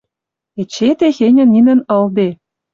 Эче техеньӹ нинӹн ылде.